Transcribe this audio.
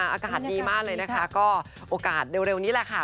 อากาศดีมากเลยนะคะก็โอกาสเร็วนี้แหละค่ะ